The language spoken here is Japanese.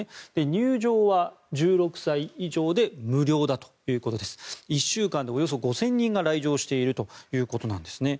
入場は１６歳以上で無料で１週間でおよそ５０００人が来場しているということです。